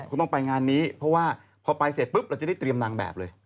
คุณต้องไปงานนี้เพราะว่าพอไปเสร็จปุ๊บเราจะได้เตรียมนางแบบเลย